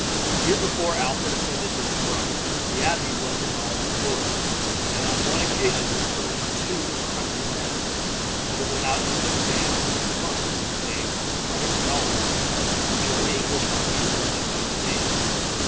The year before Alfred acceded to the throne, the abbey was in all its glory; and on one occasion it furnished two hundred men, who went out under the command of one of the monks, named Friar Joly, to join the English armies and fight the Danes.